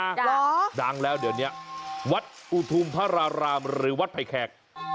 เหรอดังแล้วเดี๋ยวเนี้ยวัดอุทุมพระรารามหรือวัดไผ่แขก